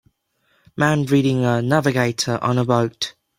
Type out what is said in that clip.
man reading a navigator on a boat.